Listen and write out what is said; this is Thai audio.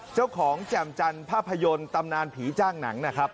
แจ่มจันทร์ภาพยนตร์ตำนานผีจ้างหนังนะครับ